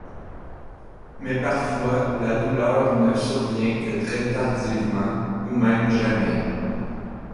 Mais parfois la douleur ne survient que très tardivement, ou même jamais.